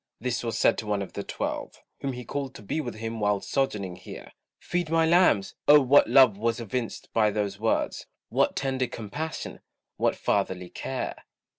this was said to one of the twelve, Whom he called to be with him while sojourning here; "Feed my lambs!" Oh, what love was evinced by those words, What tender compassion, what fatherly care.